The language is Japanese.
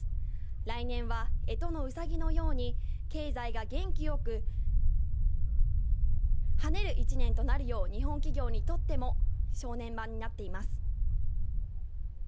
来年は干支のウサギのように経済が元気よく、はねる１年となるよう日本企業にとっても正念場になっています。